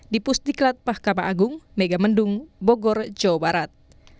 di pusdiklat pahkama agung megamendung bogor jawa barat